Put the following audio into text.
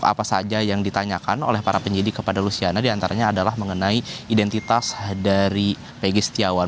apa saja yang ditanyakan oleh para penyidik kepada lusiana diantaranya adalah mengenai identitas dari pegi setiawan